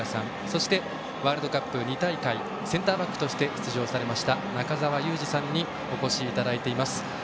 そしてワールドカップ２大会センターバックとして出場された中澤佑二さんにお越しいただいています。